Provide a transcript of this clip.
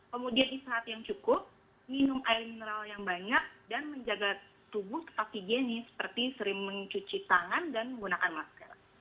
kemudian istirahat yang cukup minum air mineral yang banyak dan menjaga tubuh tetap higienis seperti sering mencuci tangan dan menggunakan masker